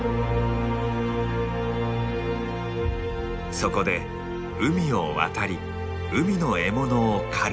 そこで海を渡り海の獲物を狩る。